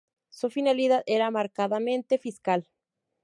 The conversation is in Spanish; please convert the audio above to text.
Su finalidad era marcadamente fiscal.